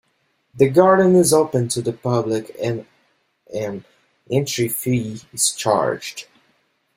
The garden is open to the public and an entry-fee is charged.